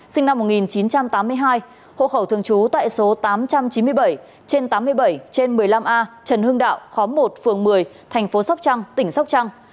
sinh năm một nghìn chín trăm tám mươi hai hộ khẩu thường trú tại số tám trăm chín mươi bảy trên tám mươi bảy trên một mươi năm a trần hưng đạo khóm một phường một mươi thành phố sóc trăng tỉnh sóc trăng